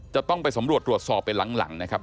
จะต้องไปสำรวจตรวจสอบไปหลังนะครับ